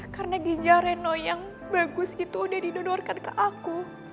karena ginjal reno yang bagus itu udah didonorkan ke aku